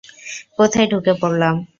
কোথায় ঢুকে পড়লাম?